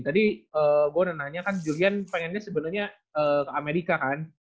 tadi gue udah nanya kan julian pengennya sebenarnya ke amerika kan